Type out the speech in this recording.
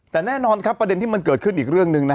แต่แน่นอนประเด็นที่ก็มันเกิดขึ้นอีกเรื่องนึง